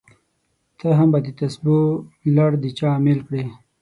ته به هم دتسبو لړ د چا امېل کړې!